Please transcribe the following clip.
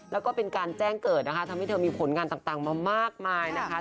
แล้วก็เป็นการแจ้งเกิดนะคะทำให้เธอมีผลงานต่างมามากมายนะคะ